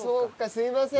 すいません。